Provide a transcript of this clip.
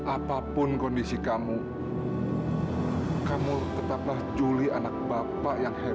apapun kondisi kamu kamu tetaplah juli anak bapak yang hebat